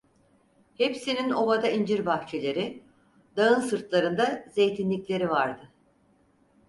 Hepsinin ovada incir bahçeleri, dağın sırtlarında zeytinlikleri vardı.